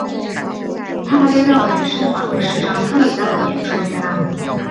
他被认为是法国史上最伟大的演说家。